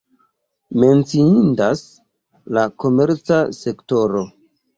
Menciindas la komerca sektoro.